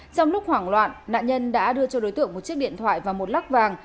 trong lúc hoảng loạn nạn nhân đã đưa cho đối tượng một chiếc điện thoại và một lắc vàng